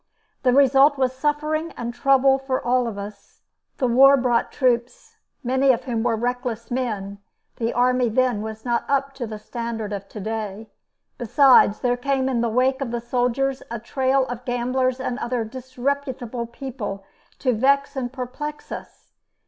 The result was suffering and trouble for all of us. The war brought troops, many of whom were reckless men; the army then was not up to the standard of today. Besides, there came in the wake of the soldiers a trail of gamblers and other disreputable people to vex and perplex us.